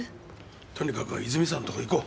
とにかく泉沢のところに行こう！